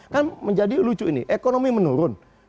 kan menjadi lucu ini ekonomi menurun